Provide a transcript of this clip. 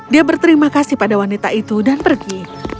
dia berterima kasih pada wanita itu dan pergi